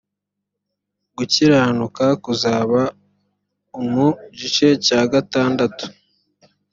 gukiranuka kuzaba umu gice cya gatandatu